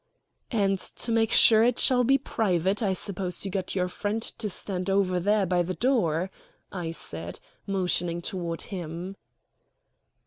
"And to make sure that it shall be private, I suppose you got your friend to stand over there by the door," I said, motioning toward him.